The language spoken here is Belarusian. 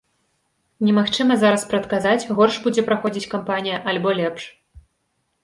Немагчыма зараз прадказаць, горш будзе праходзіць кампанія альбо лепш.